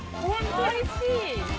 おいしい。